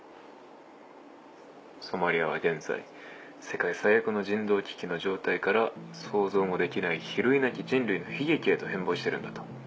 「ソマリアは現在『世界最悪の人道危機の状態』から『想像もできない比類なき人類の悲劇』へと変貌してるんだ」と。